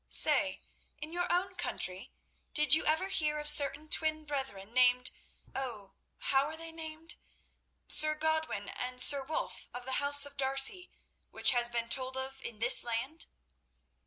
Say, in your own country did you ever hear of certain twin brethren named—oh, how are they named?—Sir Godwin and Sir Wulf, of the house of D'Arcy, which has been told of in this land?"